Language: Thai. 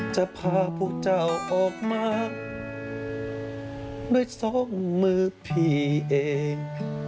จะพาผู้เจ้าออกมาด้วยสองมือพี่เอง